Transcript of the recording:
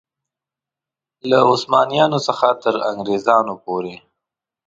له عثمانیانو څخه تر انګرېزانو پورې.